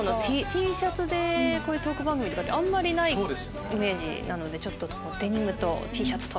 Ｔシャツでトーク番組とかあんまりないイメージなのでデニムとＴシャツと！